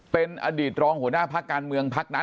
เป็นอดีตรองหัวหน้าพักการเมืองพักนั้น